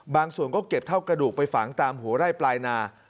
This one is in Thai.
บางส่วนก็เก็บเท่ากระดูกไปฝังตามหัวไร่ปลายนา